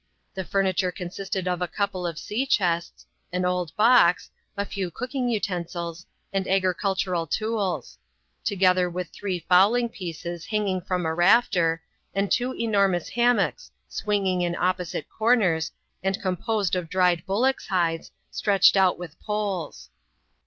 The furniture consisted of a couple of sea chestis, an old box, a few cooking utensils, and agricultural tools ; together with three fowling pieces, hanging from a rafter ; and two enormous hammocks, swinging in opposite corners, and composed of dried bullocks' hides, stretched out with poles.